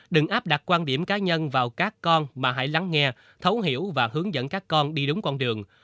đừng áp đặt quan điểm cá nhân vào các con mà hãy lắng nghe thấu hiểu và hướng dẫn các con đi đúng con đường